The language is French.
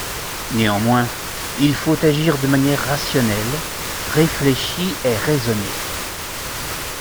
Néanmoins, il faut agir de manière rationnelle, réfléchie et raisonnée.